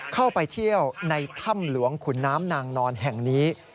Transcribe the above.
เข้าไปเที่ยวในถ้ำหลวงขุนน้ำนางนอนแห่งนี้